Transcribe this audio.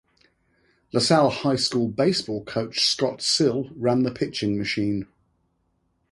LaSalle High School baseball coach Scott Sill ran the pitching machine.